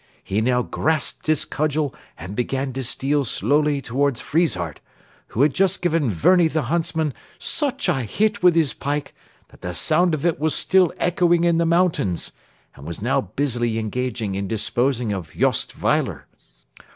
He now grasped his cudgel and began to steal slowly towards Friesshardt, who had just given Werni the huntsman such a hit with his pike that the sound of it was still echoing in the mountains, and was now busily engaged in disposing of Jost Weiler.